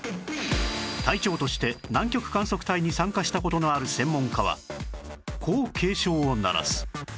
隊長として南極観測隊に参加した事のある専門家はこう警鐘を鳴らす